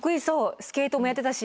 スケートもやってたし。